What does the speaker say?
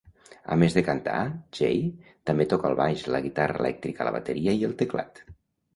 A més de cantar, Jey també toca el baix, la guitarra elèctrica, la bateria i el teclat.